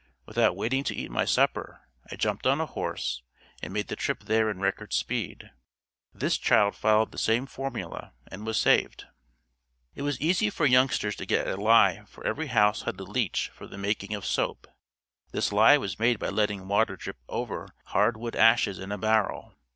Without waiting to eat my supper I jumped on a horse and made the trip there in record speed. This child followed the same formula and was saved. It was easy for youngsters to get at lye for every house had a leach for the making of soap. This lye was made by letting water drip over hard wood ashes in a barrel.